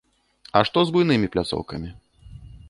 А што з буйнымі пляцоўкамі?